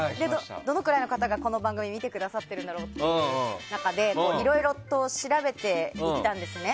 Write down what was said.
どのくらいの方がこの番組を見てくださっているんだろうという中でいろいろと調べていったんですね。